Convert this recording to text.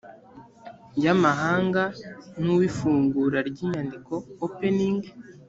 y amahanga ni uw ifungura ry inyandiko opening